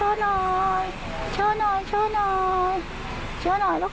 ลองไปดูบรรยากาศช่วงนั้นนะคะ